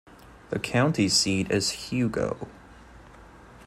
The county seat is Hugo.